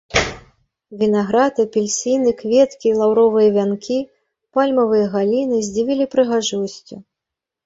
Вінаград, апельсіны, кветкі, лаўровыя вянкі, пальмавыя галіны здзівілі прыгожасцю.